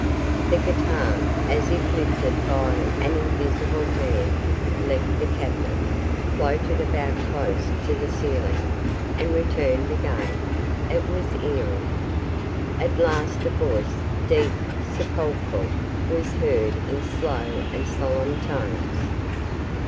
The guitar, as if lifted by an invisible hand, left the cabinet, floated about close to the ceiling, and returned again. It was eerie. At last a voice, deep, sepulchral, was heard in slow and solemn tones.